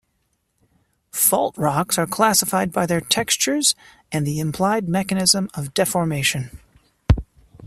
Fault rocks are classified by their textures and the implied mechanism of deformation.